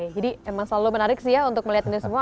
jadi memang selalu menarik sih ya untuk melihat ini semua